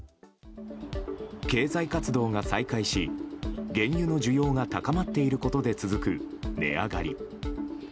経済活動が再開し原油の需要が高まっていることで続く値上がり。